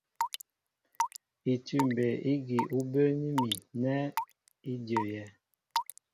Itʉ̂m mbey ígi ú bə́ə́ní mi nɛ í ndyə́yɛ́.